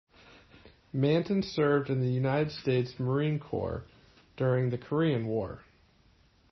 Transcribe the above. Manton served in the United States Marine Corps during the Korean War.